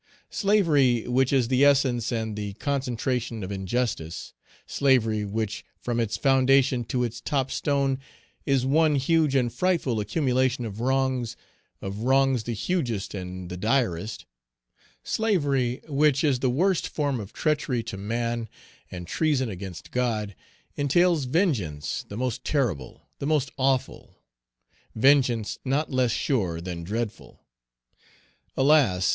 Slavery, which is the essence and the concentration of injustice, Slavery, which from its foundation to its top stone is one huge and frightful accumulation of wrongs, of wrongs the hugest and the direst, Slavery, which is the worst form of treachery to man and treason against God, entails vengeance the most terrible, the most awful; vengeance not less sure than dreadful. Alas!